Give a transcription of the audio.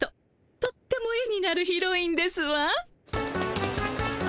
とっても絵になるヒロインですわ。